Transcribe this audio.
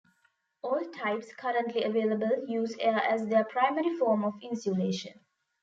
All types currently available use air as their primary form of insulation.